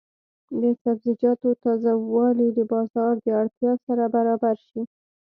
د سبزیجاتو تازه والي د بازار د اړتیا سره برابر شي.